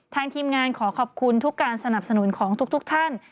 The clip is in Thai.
ทีมงานขอขอบคุณทุกการสนับสนุนของทุกท่าน